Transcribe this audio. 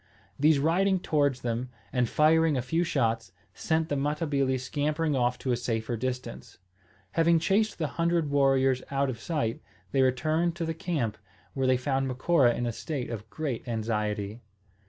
These riding towards them, and firing a few shots, sent the Matabili scampering off to a safer distance. Having chased the hundred warriors out of sight, they returned to the camp, where they found Macora in a state of great anxiety.